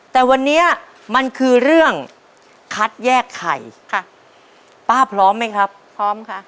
แต่วันนี้มันคือเรื่องคัดแยกไข่ค่ะป้าพร้อมไหมครับพร้อมค่ะ